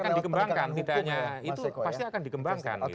akan dikembangkan tidak hanya itu pasti akan dikembangkan